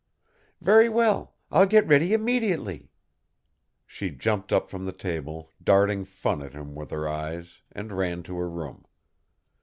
"Very well. I'll get ready immediately." She jumped up from the table, darting fun at him with her eyes, and ran to her room.